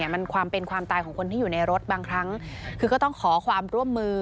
มันความเป็นความตายของคนที่อยู่ในรถบางครั้งคือก็ต้องขอความร่วมมือ